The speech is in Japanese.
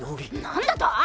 何だと！？